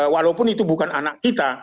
walaupun itu bukan anak kita